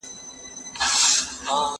هغه وويل چي زه درس لولم،